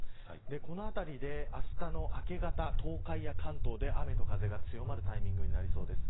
このあたりで、あしたの明け方東海や関東で、雨と風が強まるタイミングになりそうです。